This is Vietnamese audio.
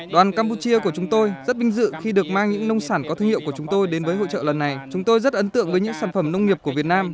đoàn campuchia của chúng tôi rất vinh dự khi được mang những nông sản có thương hiệu của chúng tôi đến với hội trợ lần này chúng tôi rất ấn tượng với những sản phẩm nông nghiệp của việt nam